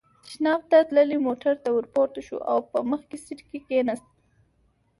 تشناب ته تللی، موټر ته ور پورته شو او په مخکې سېټ کې کېناست.